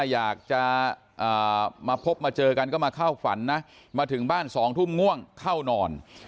อยากจะมาพบมาเจอกันก็มาเข้าฝันนะมาถึงบ้าน๒ทุ่มง่วงเข้านอน